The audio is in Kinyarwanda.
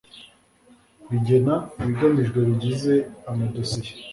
bigena ibigamijwe bigize amadosiye